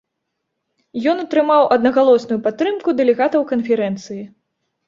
Ён атрымаў аднагалосную падтрымку дэлегатаў канферэнцыі.